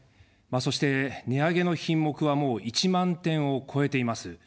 そして、値上げの品目はもう１万点を超えています。